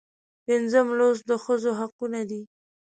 پنځم لوست د ښځو حقونه دي.